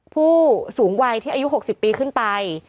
ผู้สูงวัยที่อายุ๖๐ปีขึ้นไป